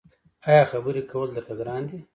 ایا خبرې کول درته ګران دي؟